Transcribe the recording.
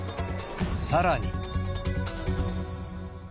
さらに。